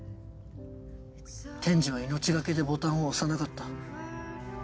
天智は命懸けでボタンを押さなかった。